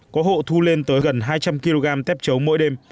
có hộ thu lên tới gần hai trăm linh kg tép chấu mỗi đêm